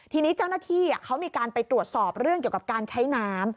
ทีนี้เจ้าหน้าที่เขามีการไปตรวจสอบเรื่องเกี่ยวกับการใช้น้ำ